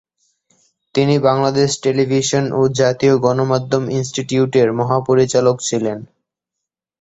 তিনি বাংলাদেশ টেলিভিশন ও জাতীয় গণমাধ্যম ইনস্টিটিউটের মহাপরিচালক ছিলেন।